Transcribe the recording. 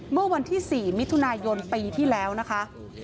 เมื่อวันที่๔มิถุนายนปีที่แล้วนะคะ